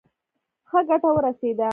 ښه ګټه ورسېده.